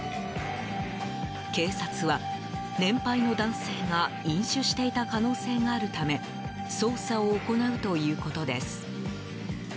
警察は、年配の男性が飲酒していた可能性があるため捜査を行うということです。